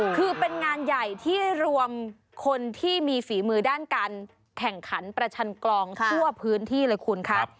คือเป็นงานใหญ่ที่รวมคนที่มีฝีมือด้านการแข่งขันประชันกลองทั่วพื้นที่เลยคุณครับ